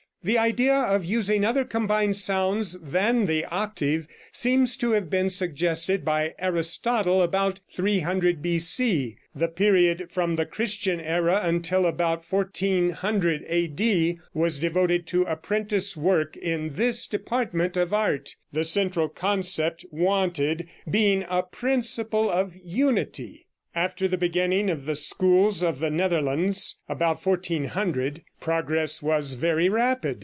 The idea of using other combined sounds than the octave seems to have been suggested by Aristotle, about 300 B.C. The period from the Christian era until about 1400 A.D. was devoted to apprentice work in this department of art, the central concept wanted being a principle of unity. After the beginning of the schools of the Netherlands, about 1400, progress was very rapid.